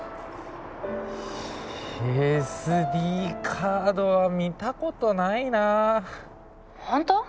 ＳＤカードは見たことないな☎ホント？